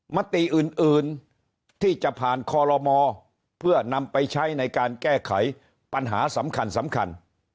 มติอื่นที่จะผ่านคอลโลมอเพื่อนำไปใช้ในการแก้ไขปัญหาสำคัญ